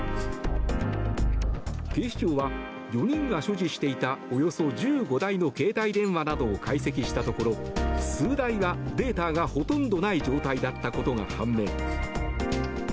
警視庁は、４人が所持していたおよそ１５台の携帯電話などを解析したところ数台がデータがほとんどない状態だったことが判明。